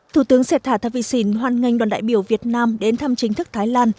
thủ tướng sẹt thả tha vy sìn hoan nghênh đoàn đại biểu việt nam đến thăm chính thức thái lan